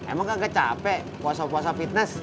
emang kakek capek puasa puasa fitness